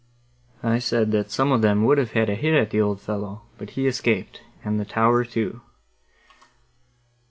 I said that some of them would have a hit at the old fellow, but he escaped, and the tower too."